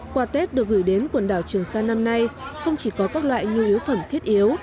quà tết được gửi đến quần đảo trường sa năm nay không chỉ có các loại nhu yếu phẩm thiết yếu